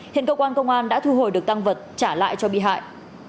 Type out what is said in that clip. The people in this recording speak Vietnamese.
hiện cơ quan công an đã thu hồi được tăng vật trả lại cho bị hại